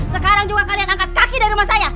sekarang juga kalian angkat kaki dari rumah saya